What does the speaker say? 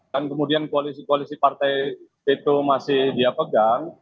dan kemudian koalisi koalisi partai itu masih dia pegang